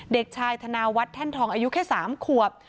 เด็กชายทรนวัตรแทนทองอายุแค่๓ควบ